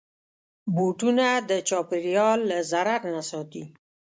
بوټونه د چاپېریال له ضرر نه ساتي.